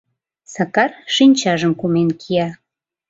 Сакар шинчажым кумен кия.